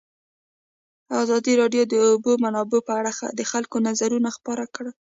ازادي راډیو د د اوبو منابع په اړه د خلکو نظرونه خپاره کړي.